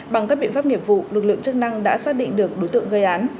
bằng các biện pháp nghiệp vụ lực lượng chức năng đã xác định được đối tượng gây án